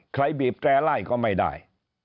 บีบแตร่ไล่ก็ไม่ได้